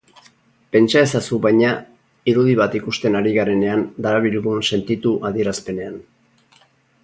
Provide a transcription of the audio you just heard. Pentsa ezazu, baina, irudi bat ikusten ari garenean darabilgun sentitu adierazpenean.